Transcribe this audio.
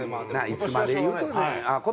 いつまで言うとんねん。